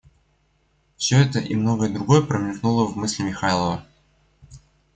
Всё это и многое другое промелькнуло в мысли Михайлова.